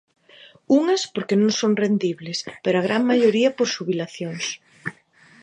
Unhas porque non son rendibles, pero a gran maioría por xubilacións.